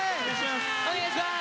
お願いします！